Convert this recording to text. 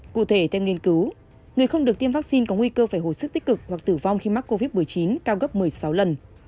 cụ thể theo nghiên cứu người không được tiêm vaccine có nguy cơ phải hồi sức tích cực hoặc tử vong khi mắc covid một mươi chín cao gấp một mươi sáu lần